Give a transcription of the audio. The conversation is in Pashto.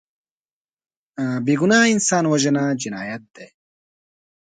بېګناه انسان وژنه جنایت دی